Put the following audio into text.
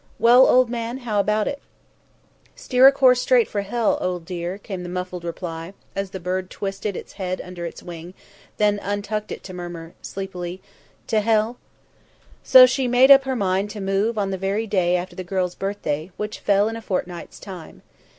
"Well, old man, how about it?" "Steer a straight course for hell, old dear," came the muffled reply, as the bird twisted its head under its wing, then untucked it to murmur sleepily: "T'hell!" So she made up her mind to move on the very day after the girl's birthday, which fell in a fortnights time.